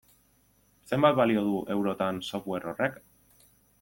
Zenbat balio du, eurotan, software horrek?